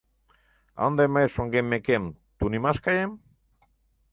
Ынде мый, шоҥгеммекем, тунемаш каем?